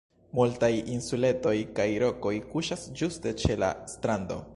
Multaj insuletoj kaj rokoj kuŝas ĝuste ĉe la strando.